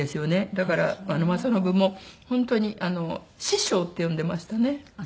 だから政伸も本当に「師匠」って呼んでましたね。